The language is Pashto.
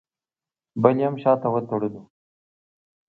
بل یې هم شاته وتړلو.